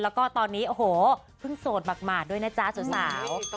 แล้วก็ตอนนี้โอ้โหเพิ่งโสดหมากด้วยนะจ๊ะสาว